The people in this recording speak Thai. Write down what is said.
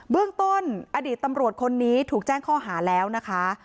เรื่องต้นอดีตตำรวจคนนี้ถูกแจ้งข้อหาแล้วนะคะ